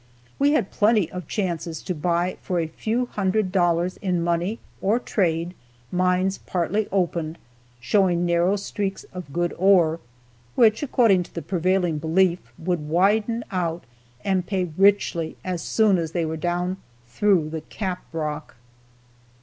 We had plenty of chances to buy for a few hundred dollars in money or trade mines partly opened, showing narrow streaks of good ore, which, according to the prevailing belief, would widen out and pay richly as soon as they were down through the "cap rock."